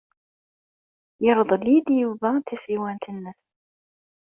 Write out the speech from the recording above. Yerḍel-iyi-d Yuba tasiwant-nnes.